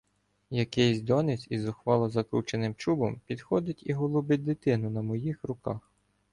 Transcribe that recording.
Якийсь донець із зухвало закрученим чубом підходить і голубить дитину на моїх руках.